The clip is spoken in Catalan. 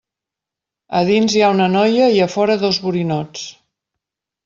A dins hi ha una noia i, a fora dos borinots.